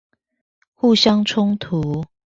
互相衝突